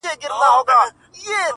راته ښكلا راوړي او ساه راكړي _